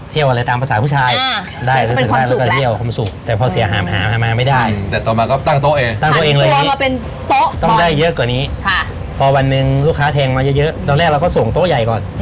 ถ้าแทงมาเยอะตอนแรกเราก็ส่งโต๊ะใหญ่ก่อน